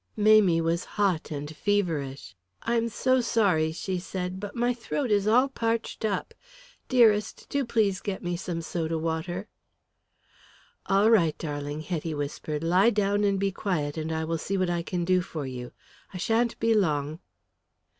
Mamie was hot and feverish. "I am so sorry," she said, "but my throat is all parched up. Dearest, do please get me some soda water." "All right, darling," Hetty whispered. "Lie down and be quiet, and I will see what I can do for you. I shan't be long."